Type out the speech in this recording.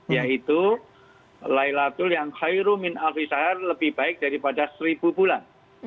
yaitu laylatul yang khairu min alfisahar lebih baik daripada seribu bulan